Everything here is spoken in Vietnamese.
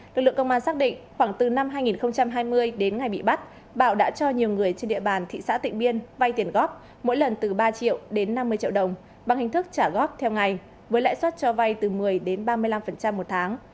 lực lượng công an xác định khoảng từ năm hai nghìn hai mươi đến ngày bị bắt bảo đã cho nhiều người trên địa bàn thị xã tịnh biên vay tiền góp mỗi lần từ ba triệu đến năm mươi triệu đồng bằng hình thức trả góp theo ngày với lãi suất cho vay từ một mươi đến ba mươi năm một tháng